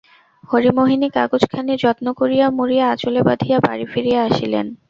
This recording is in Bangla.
হরিমোহিনী কাগজখানি যত্ন করিয়া মুড়িয়া আঁচলে বাঁধিয়া বাড়ি ফিরিয়া আসিলেন।